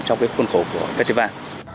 trong khuôn khổ của festival